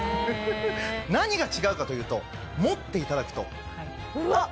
何が違うかというと持っていただくと。